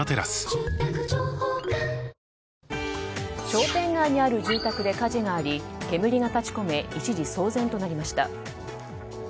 商店街にある住宅で火事があり煙が立ち込め一時騒然となりました。